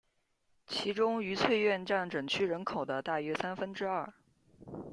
其中愉翠苑占整区人口的大约三分之二。